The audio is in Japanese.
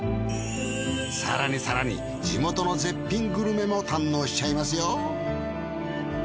更に更に地元の絶品グルメも堪能しちゃいますよ。